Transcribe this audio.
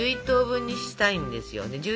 １１等分にしたいんですよね